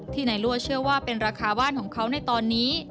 นายรั่วเชื่อว่าเป็นราคาบ้านของเขาในตอนนี้